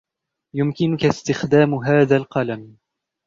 يمكنك استخدام هذا القلم